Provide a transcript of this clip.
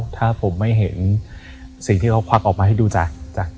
ถ้าผมไม่เห็นสิ่งที่เขาควักออกมาให้ดูจ้ะ